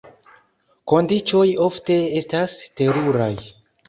Kondiĉoj ofte estas teruraj.